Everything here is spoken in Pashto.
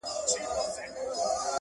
• څارونوال ویله پلاره نې کوومه..